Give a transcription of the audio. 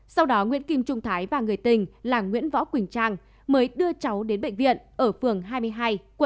sau đó nguyễn kim trung thái và người tình là nguyễn võ quỳnh trang mới đưa cháu đến bệnh viện ở phường hai mươi hai quận bình thạnh cấp cứu